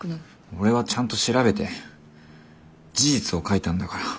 俺はちゃんと調べて事実を書いたんだから。